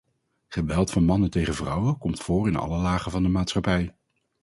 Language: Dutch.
Geweld van mannen tegen vrouwen komt voor in alle lagen van de maatschappij.